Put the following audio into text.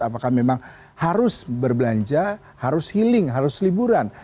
apakah memang harus berbelanja harus healing harus liburan